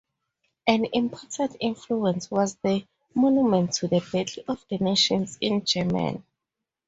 An important influence was the Monument to the Battle of the Nations in Germany.